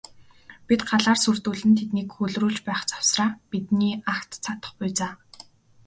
Бид галаар сүрдүүлэн тэднийг гөлрүүлж байх завсраа бидний агт цадах буй за.